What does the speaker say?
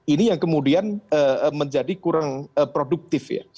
ini yang kemudian menjadi kurang produktif ya